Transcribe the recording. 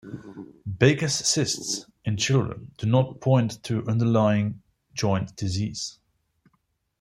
Baker's cysts in children do not point to underlying joint disease.